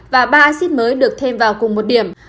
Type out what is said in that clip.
và ba acid mới được thêm vào cùng một điểm